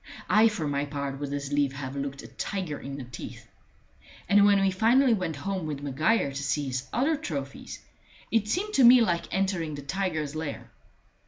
I for my part would as lief have looked a tiger in the teeth. And when we finally went home with Maguire to see his other trophies, it seemed to me like entering the tiger's lair.